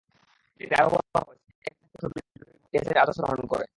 এতে আরও বলা হয়, সিরিয়ার এক-তৃতীয়াংশ বিদ্রোহী গোষ্ঠী আইএসের আদর্শ ধারণ করে।